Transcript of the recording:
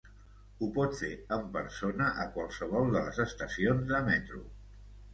Ho pot fer en persona a qualsevol de les estacions de metro.